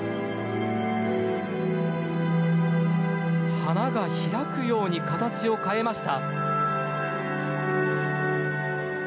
花が開くように形を変えました。